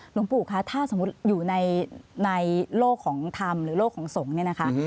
หลวงปู่คะถ้าสมมุติอยู่ในโลกของธรรมหรือโลกของสงฆ์เนี่ยนะคะ